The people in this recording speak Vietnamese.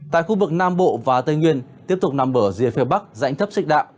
tại khu vực nam bộ và tây nguyên tiếp tục nằm ở dưới phía bắc dãnh thấp xích đạm